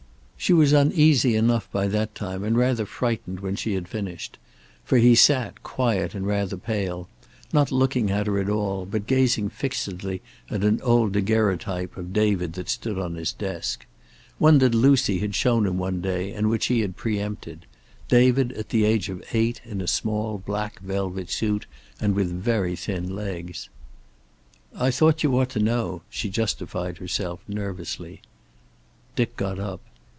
She was uneasy enough by that time, and rather frightened when she had finished. For he sat, quiet and rather pale, not looking at her at all, but gazing fixedly at an old daguerreotype of David that stood on his desk. One that Lucy had shown him one day and which he had preempted; David at the age of eight, in a small black velvet suit and with very thin legs. "I thought you ought to know," she justified herself, nervously. Dick got up.